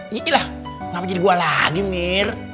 iya lah ngapa jadi gue lagi mir